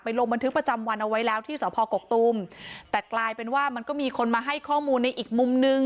ลงบันทึกประจำวันเอาไว้แล้วที่สพกกตูมแต่กลายเป็นว่ามันก็มีคนมาให้ข้อมูลในอีกมุมนึง